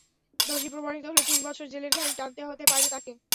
দোষী প্রমাণিত হলে তিন বছর জেলের ঘানি টানতে হতে পারে তাঁকে।